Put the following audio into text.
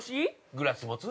◆グラス持つ？